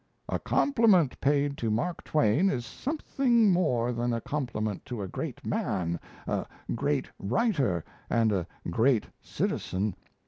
"A compliment paid to Mark Twain is something more than a compliment to a great man, a great writer, and a great citizen.